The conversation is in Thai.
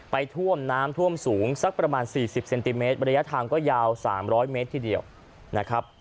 ไปท่วมน้ำท่วมสูงสักประมาณสี่สิบเซนติเมตรบริยะทางก็ยาวสามร้อยเมตรที่เดียวนะครับ